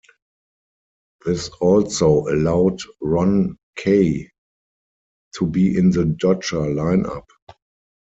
This also allowed Ron Cey to be in the Dodger lineup.